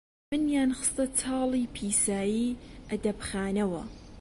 منیان خستە چاڵی پیسایی ئەدەبخانەوە،